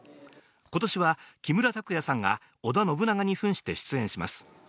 今年は木村拓哉さんが織田信長に扮して出演します。